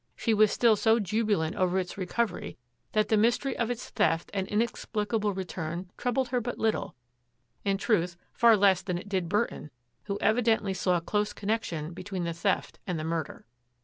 She was still so jubilant over its recovery that the mystery of its theft and inexplic able return troubled her but little, — in truth, far less than it did Burton, who evidently saw close connection between the theft and the murder.